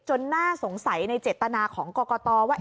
น่าสงสัยในเจตนาของกรกตว่า